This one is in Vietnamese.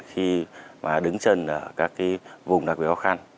khi mà đứng chân ở các vùng đặc biệt khó khăn